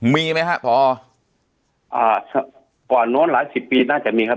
มีไหมฮะพออ่าก่อนโน้นหลายสิบปีน่าจะมีครับ